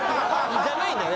じゃないんだよね。